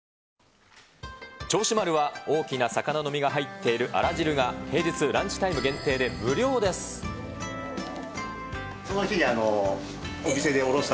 銚子丸は、大きな魚の身が入っているあら汁が、平日ランチタイム限定で無料です。